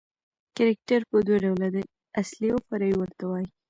کرکټر په دوه ډوله دئ، اصلي اوفرعي ورته وايي.